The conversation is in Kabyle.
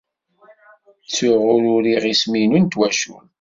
Ttuɣ ur uriɣ isem-inu n twacult.